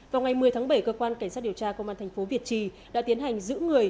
vào ngày một mươi tháng bảy cơ quan cảnh sát điều tra công an thành phố việt trì đã tiến hành giữ người